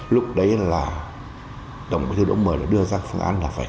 lúc đấy là đồng chí đỗ mười đưa ra phương án là phải